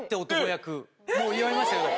もうやめましたけど。